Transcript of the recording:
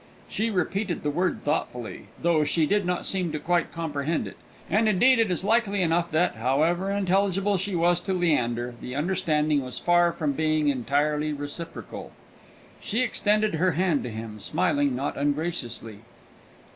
She repeated the word thoughtfully, though she did not seem to quite comprehend it; and indeed it is likely enough that, however intelligible she was to Leander, the understanding was far from being entirely reciprocal. She extended her hand to him, smiling not ungraciously.